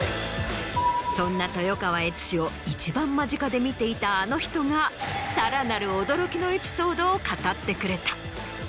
そんな豊川悦司を一番間近で見ていたあの人がさらなる驚きのエピソードを語ってくれた。